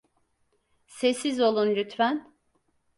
Sessiz olun lütfen!